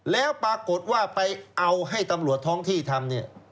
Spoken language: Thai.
แล้วปรากฏว่าไปเอาให้ตำรวจท้องที่ทำเนี่ย